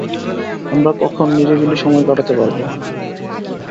আমরা কখন নিরিবিলি সময় কাটাতে পারব?